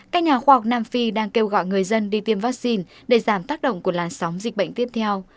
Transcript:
các nhà khoa học nam phi đang kêu gọi người dân đi tiêm vaccine để giảm tác động của làn sóng dịch bệnh tiếp theo